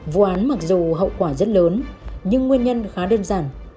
vụ án mặc dù hậu quả rất lớn nhưng nguyên nhân khá đơn giản